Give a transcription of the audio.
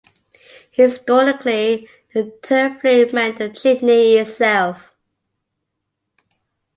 Historically the term flue meant the chimney itself.